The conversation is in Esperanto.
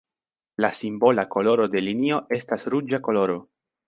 La simbola koloro de linio estas ruĝa koloro.